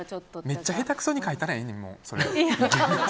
めっちゃ下手くそに描いたらええねん。